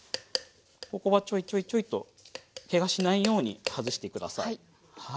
ここはちょいちょいちょいとケガしないように外してください。